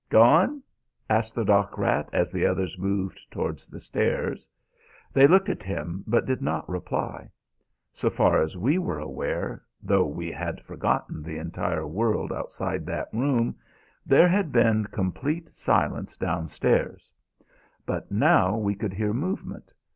"Goin'?" asked the dock rat as the others moved towards the stairs. They looked at him, but did not reply. So far as we were aware, though we had forgotten the entire world outside that room, there had been complete silence downstairs; but now we could hear movement.